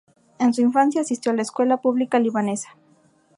En su infancia, asistió a la escuela pública Libanesa.